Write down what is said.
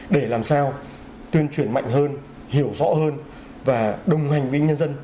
để làm sao tuyên truyền mạnh hơn hiểu rõ hơn và đồng hành với nhân dân